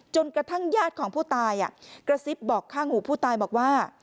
กระทั่งญาติของผู้ตายกระซิบบอกข้างหูผู้ตายบอกว่า